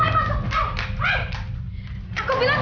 kenapa ini masuk